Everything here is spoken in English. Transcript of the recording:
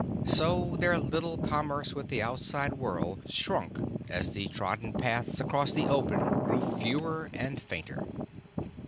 So their little commerce with the outside world shrunk as the trodden paths across the open grew fewer and fainter.